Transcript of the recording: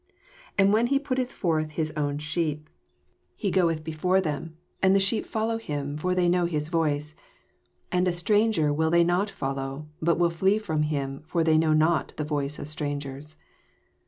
4 And when he putteth forth his own sheep, he goeth before them, and JOHN, CHAP. .X. 175 the iheep follow him: for they know his Toioe. 5 And a stranger will they not fol loW| but will flee from him : for they know not the yoioe of strangers.